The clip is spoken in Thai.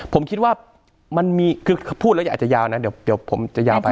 ผมคิดว่ามันมีคือพูดแล้วอาจจะยาวนะเดี๋ยวผมจะยาวไป